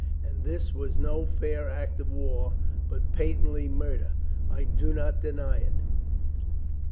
"And this was no fair act of war, but patently murder?" "I do not deny it."